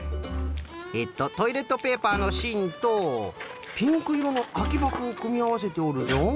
えっとトイレットペーパーのしんとピンクいろのあきばこをくみあわせておるぞ。